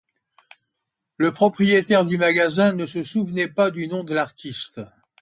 Le propriétaire du magasin ne se souvenait pas du nom de l'artiste.